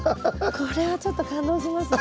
これはちょっと感動しますね。